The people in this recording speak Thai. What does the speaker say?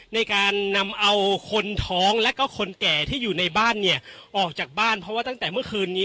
ในการนำเอาคนท้องและก็คนแก่ที่อยู่ในบ้านเนี่ยออกจากบ้านเพราะว่าตั้งแต่เมื่อคืนนี้